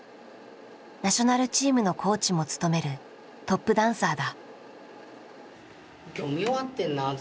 ナショナルチームのコーチも務めるトップダンサーだ。